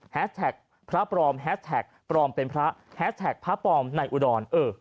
แท็กพระปลอมแฮสแท็กปลอมเป็นพระแฮสแท็กพระปลอมในอุดร